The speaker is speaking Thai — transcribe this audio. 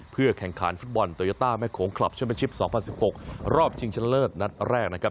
เพื่อแข่งขันฟุตบอลโตยาต้าแม่โขงคลับแชมเป็นชิป๒๐๑๖รอบชิงชนะเลิศนัดแรกนะครับ